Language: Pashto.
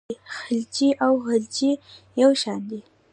خلجي او غلجي یو شان دي.